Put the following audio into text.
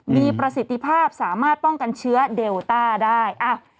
มีประสิทธิภาพสามารถป้องกันเชื้อเดลต้าได้